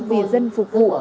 vì dân phục vụ